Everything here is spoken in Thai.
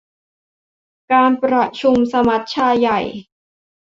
การประชุมสมัชชาใหญ่